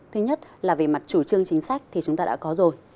thứ nhất là về mặt chủ trương chính sách thì chúng ta đã có rồi